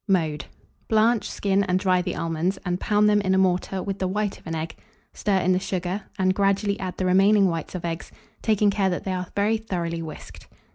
Mode. Blanch, skin, and dry the almonds, and pound them in a mortar with the white of an egg; stir in the sugar, and gradually add the remaining whites of eggs, taking care that they are very thoroughly whisked.